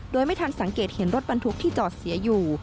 โดยไม่ทันสังเกตเห็นรถบรรทุกที่จอดเสียอยู่